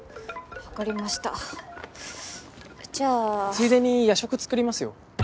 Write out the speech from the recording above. ついでに夜食作りますよ。